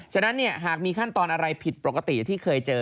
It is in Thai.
ฉะนั้นหากมีขั้นตอนอะไรผิดปกติที่เคยเจอ